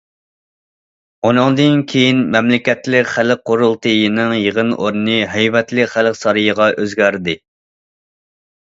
ئۇنىڭدىن كىيىن مەملىكەتلىك خەلق قۇرۇلتىيىنىڭ يىغىن ئورنى ھەيۋەتلىك خەلق سارىيىغا ئۆزگەردى.